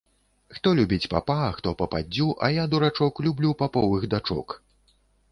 Хто любіць папа, а хто пападдзю, а я дурачок, люблю паповых дачок